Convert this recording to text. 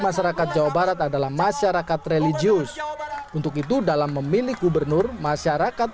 masyarakat jawa barat adalah masyarakat religius untuk itu dalam memilih gubernur masyarakat